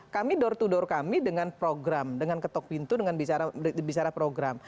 kami door to door kami dengan program dengan ketok pintu dengan bicara program